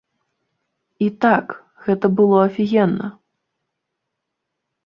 І так, гэта было афігенна.